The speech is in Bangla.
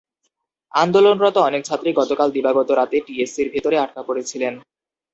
আন্দোলনরত অনেক ছাত্রী গতকাল দিবাগত রাতে টিএসসির ভেতরে আটকা পড়েছিলেন।